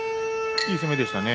いい攻めでしたね